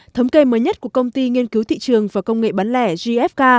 thống kê mới nhất của công ty nghiên cứu thị trường và công nghệ bán lẻ gfk